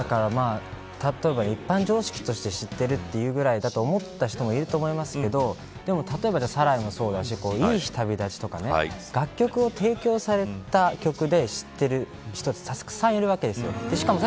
例えば一般常識として知っているくらいだと思っていた人もいると思いますけど例えばサライもそうですしいい日旅立ちとか楽曲を提供された曲で知ってる人はたくさんいるんですよ。